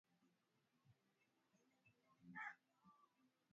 Ikumbukwe na ieleweke ya kwamba kipindi cha wakati huo eneo hili la Serengeti ilikuwa